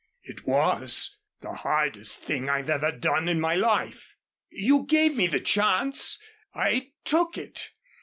"It was. The hardest thing I've ever done in my life. You gave me the chance. I took it.